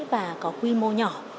và có quy mô nhỏ